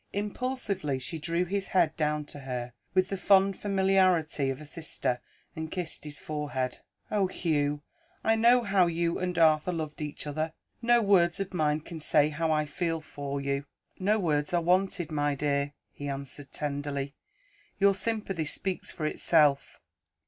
Impulsively, she drew his head down to her, with the fond familiarity of a sister, and kissed his forehead. "Oh, Hugh, I know how you and Arthur loved each other! No words of mine can say how I feel for you." "No words are wanted, my dear," he answered tenderly. "Your sympathy speaks for itself."